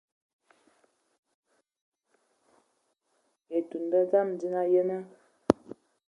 Etun nda dzam dzina, yenə.